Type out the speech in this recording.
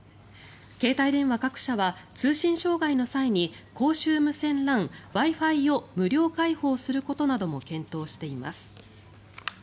携帯電話各社は通信障害の際に公衆無線ＬＡＮＷｉ−Ｆｉを無料開放することなども検討しています。